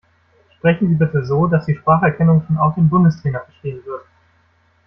Sprechen Sie bitte so, dass die Spracherkennung schon auch den Bundestrainer verstehen wird.